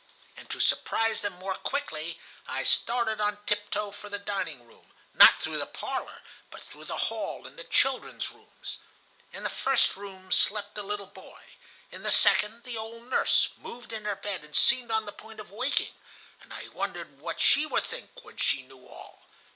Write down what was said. "And to surprise them more quickly, I started on tiptoe for the dining room, not through the parlor, but through the hall and the children's rooms. In the first room slept the little boy. In the second, the old nurse moved in her bed, and seemed on the point of waking, and I wondered what she would think when she knew all.